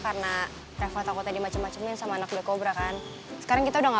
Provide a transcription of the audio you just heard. karena nervatakut air di macem macem sama anak anak bisa kan sekarang kita udah nggak